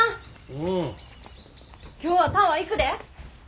うん。今日はタワー行くで。